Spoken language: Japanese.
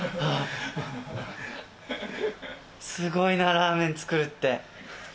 すごいな、ラーメン作るって。